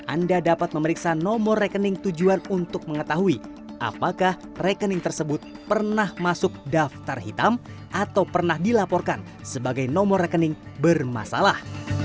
anda dapat memeriksa nomor rekening tujuan untuk mengetahui apakah rekening tersebut pernah masuk daftar hitam atau pernah dilaporkan sebagai nomor rekening bermasalah